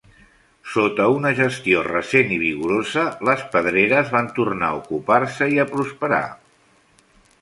Sota una gestió recent i vigorosa, les pedreres van tornar a ocupar-se i a prosperar.